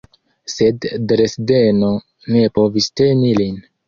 Sed Dresdeno ne povis teni lin.